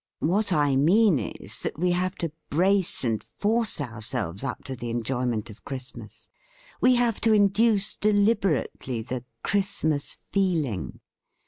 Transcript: What I mean is that we have to brace and force ourselves up to the en joyment of Christmas. We have to induce deliberately the "Christmas feel ing."